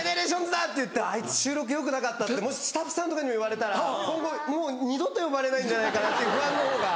ＧＥＮＥＲＡＴＩＯＮＳだっていって「あいつ収録よくなかった」ってもしスタッフさんとかにも言われたら今後もう二度と呼ばれないんじゃないかなっていう不安のほうが。